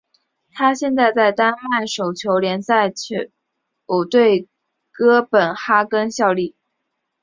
他现在在丹麦手球联赛球队哥本哈根效力。